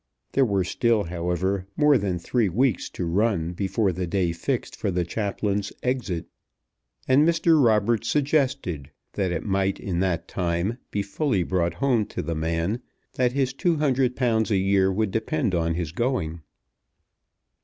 There were still, however, more than three weeks to run before the day fixed for the chaplain's exit, and Mr. Roberts suggested that it might in that time be fully brought home to the man that his £200 a year would depend on his going.